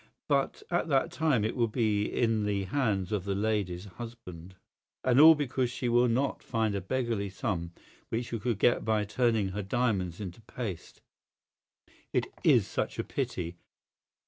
But at that time it will be in the hands of the lady's husband. And all because she will not find a beggarly sum which she could get by turning her diamonds into paste. It IS such a pity.